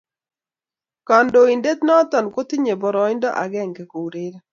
kandoindet noton kotinye baraindo ageng koureren .